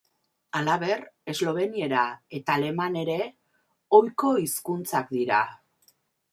Halaber, esloveniera eta aleman ere ohiko hizkuntzak dira.